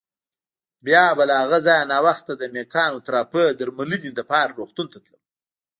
بیا به له هغه ځایه ناوخته د مېکانوتراپۍ درملنې لپاره روغتون ته تلم.